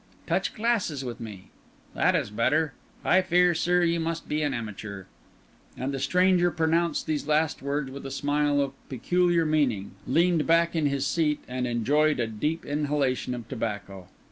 Touch glasses with me. That is better. I fear, sir, you must be an amateur." And the stranger pronounced these last words with a smile of peculiar meaning, leaned back in his seat and enjoyed a deep inhalation of tobacco.